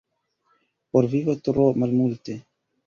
Por vivo tro malmulte.